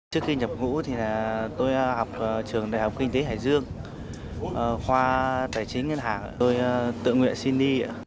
trước khi nhập ngũ thì tôi học trường đại học kinh tế hải dương khoa tài chính ngân hàng tôi tự nguyện xin đi